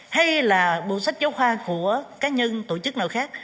hay là bộ sách giáo khoa của cá nhân tổ chức nào khác